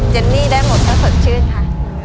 เจนนี่ได้หมดก็สดชื่นค่ะ